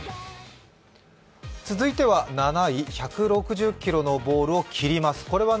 続いては７位、１６０キロのボールを切ります。